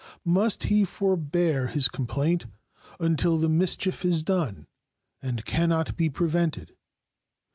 Must he forbear his complaint until the mischief is done and can not be prevented?